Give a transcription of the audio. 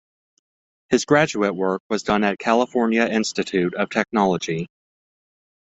His graduate work was done at California Institute of Technology.